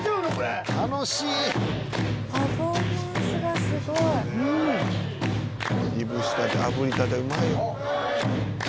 「楽しい！」「パフォーマンスがすごい」「いぶしたてあぶりたてうまいよ」